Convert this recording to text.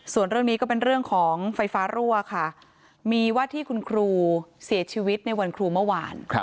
ส่วนเรื่องนี้ก็เป็นเรื่องของไฟฟ้ารั่วค่ะมีว่าที่คุณครูเสียชีวิตในวันครูเมื่อวาน